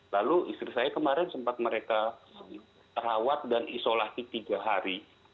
lalu istri saya kemarin sempat mereka terawat dan isolasi tiga hari